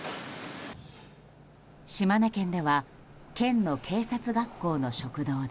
島根県では県の警察学校の食堂で。